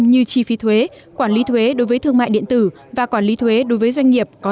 như chi phí thuế quản lý thuế đối với thương mại điện tử và quản lý thuế đối với doanh nghiệp có